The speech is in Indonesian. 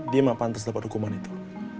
dia mah pantas dapat hukuman itu